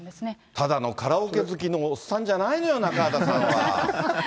ただカラオケ好きのおっさんじゃないのよ、中畑さんは。